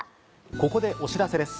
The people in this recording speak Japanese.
ここでお知らせです。